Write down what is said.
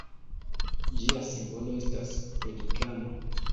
Ĝia simbolo estas pelikano.